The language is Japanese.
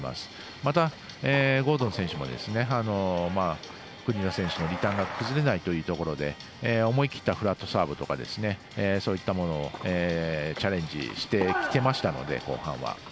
また、ゴードン選手も国枝選手のリターンが崩れないというところで思い切ったフラットサーブとかそういったものをチャレンジしてきていましたので後半は。